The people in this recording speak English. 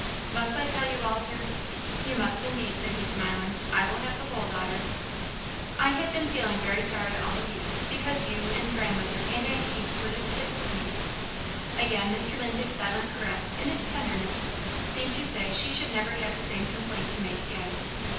"Must I tell you all, Sir?" "You must, indeed," said he, smiling; "I will have the whole, daughter." "I had been feeling very sorry all the week, because you, and grandmother, and aunt Keith, were displeased with me." Again Mr. Lindsay's silent caress, in its tenderness, seemed to say she should never have the same complaint to make again.